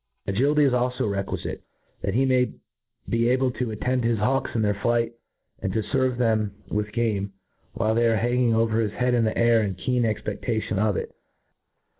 Agility is alfo requH fite, that he may be able to attend his hawks in their flight, and ferve them with game, while they are hanging over his head in the air in keen expefta * tion of it.